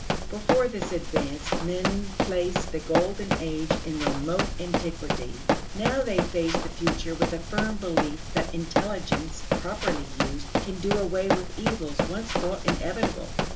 Before this advance men placed the golden age in remote antiquity. Now they face the future with a firm belief that intelligence properly used can do away with evils once thought inevitable.